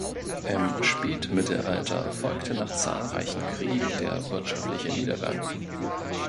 Im Spätmittelalter folgte nach zahlreichen Kriegen der wirtschaftliche Niedergang.